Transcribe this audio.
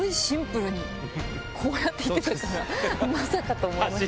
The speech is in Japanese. こうやって行ってたからまさかと思いました。